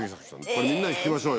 これみんなに聞きましょうよ。